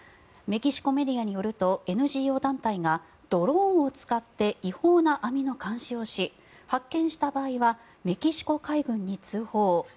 メキシコメディアによるとＮＧＯ団体がドローンを使って違法な網の監視をし発見した場合はメキシコ海軍に通報。